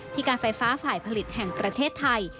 การไฟฟ้าฝ่ายผลิตแห่งประเทศไทย